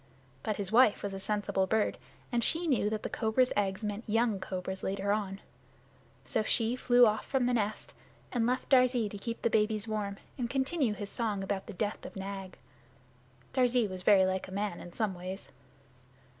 But his wife was a sensible bird, and she knew that cobra's eggs meant young cobras later on. So she flew off from the nest, and left Darzee to keep the babies warm, and continue his song about the death of Nag. Darzee was very like a man in some ways.